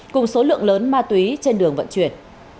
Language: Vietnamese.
cùng số lượng lớn ma túy trên đường vận chuyển